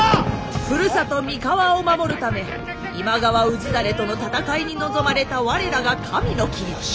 ふるさと三河を守るため今川氏真との戦いに臨まれた我らが神の君。